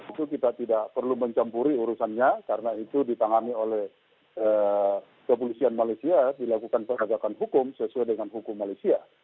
itu kita tidak perlu mencampuri urusannya karena itu ditangani oleh kepolisian malaysia dilakukan penegakan hukum sesuai dengan hukum malaysia